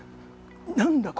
「何だ！？